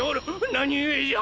何故じゃ！